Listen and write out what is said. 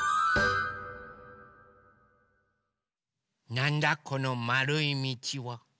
なんだこのまるいみちは？